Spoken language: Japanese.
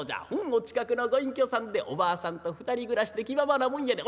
お近くのご隠居さんでおばあさんと２人暮らしで気ままなもんやで。